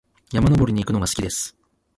山登りに行くのが好きです。